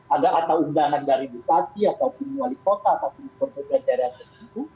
ada atau undangan dari bupati atau dari wali kota atau dari perbukta daerah itu